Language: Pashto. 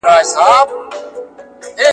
تر مزد ئې شکر دانه ډېره سوه.